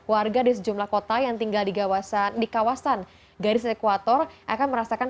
keluarga dari sejumlah kota yang tinggal di kawasan garis ekuator akan merasakan